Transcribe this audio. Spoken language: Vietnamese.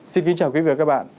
xin kính chào quý vị và các bạn